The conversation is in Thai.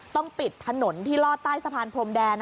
ต้องปิดถนนที่ลอดใต้สะพานพรมแดน